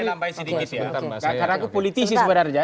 karena aku politis sih sebenarnya